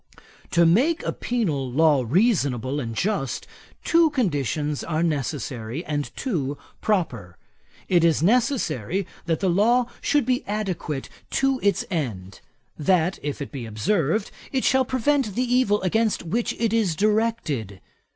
'To make a penal law reasonable and just, two conditions are necessary, and two proper. It is necessary that the law should be adequate to its end; that, if it be observed, it shall prevent the evil against which it is directed.